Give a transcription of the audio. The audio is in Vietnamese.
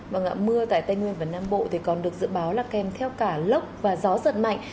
vâng ạ mưa tại tây nguyên và nam bộ thì còn được dự báo là kèm theo cả lốc và gió giật mạnh